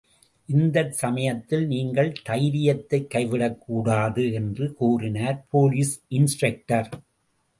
இந்தச் சமயத்திலே நீங்கள் தைரியத்தைக் கைவிடக்கூடாது என்று கூறினார் போலீஸ் இன்ஸ்பெக்டர்.